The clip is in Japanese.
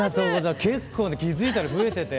結構気付いたら増えてて。